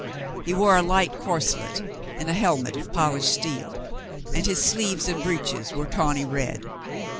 He wore a light corselet and helmet of polished steel, and his sleeves and breeches were tawny red.